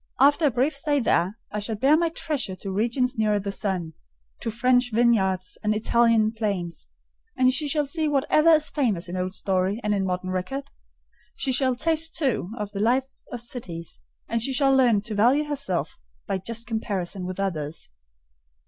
After a brief stay there, I shall bear my treasure to regions nearer the sun: to French vineyards and Italian plains; and she shall see whatever is famous in old story and in modern record: she shall taste, too, of the life of cities; and she shall learn to value herself by just comparison with others."